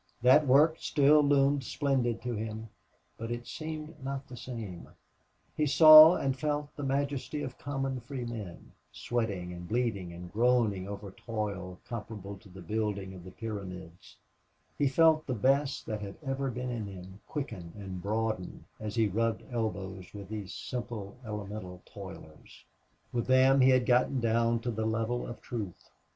That work still loomed splendid to him, but it seemed not the same. He saw and felt the majesty of common free men, sweating and bleeding and groaning over toil comparable to the building of the Pyramids; he felt the best that had ever been in him quicken and broaden as he rubbed elbows with these simple, elemental toilers; with them he had gotten down to the level of truth.